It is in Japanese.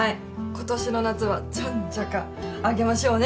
今年の夏はじゃんじゃか上げましょうね！